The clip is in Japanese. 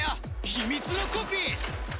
秘密のコピー！